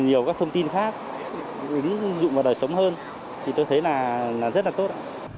nhiều các thông tin khác ứng dụng vào đời sống hơn thì tôi thấy là rất là tốt